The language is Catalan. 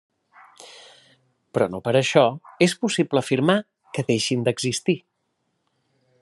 Però no per això és possible afirmar que deixin d'existir.